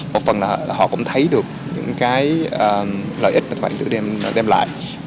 một phần là họ cũng thấy được những lợi ích thương mại điện tử đem lại